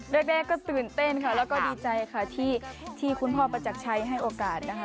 แรกก็ตื่นเต้นค่ะแล้วก็ดีใจค่ะที่คุณพ่อประจักรชัยให้โอกาสนะคะ